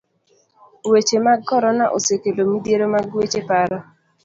Weche mag korona osekelo midhiero mag weche paro.